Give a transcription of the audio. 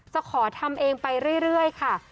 ขอทำเองไปเรื่อยค่ะ